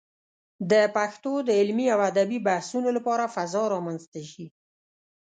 د پښتو د علمي او ادبي بحثونو لپاره فضا رامنځته شي.